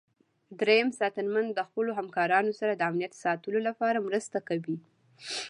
دریم ساتنمن د خپلو همکارانو سره د امنیت ساتلو لپاره مرسته کوي.